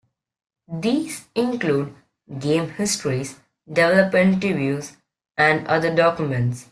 These include game histories, developer interviews, and other documents.